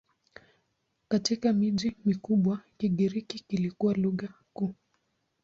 Katika miji mikubwa Kigiriki kilikuwa lugha kuu.